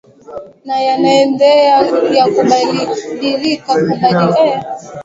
na yanaenda yakubadilika badilika